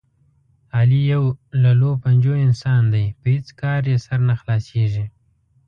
علي یو للوپنجو انسان دی، په هېڅ کار یې سر نه خلاصېږي.